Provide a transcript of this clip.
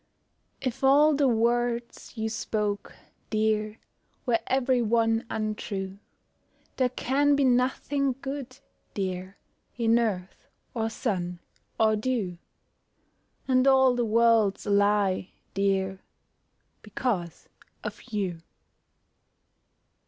IF If all the words you spoke, dear, Were every one untrue, There can be nothing good, dear, In earth, or sun, or dew; And all the world's a lie, dear, Because of you.